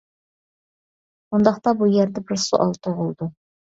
ئۇنداقتا بۇ يەردە بىر سوئال تۇغۇلىدۇ.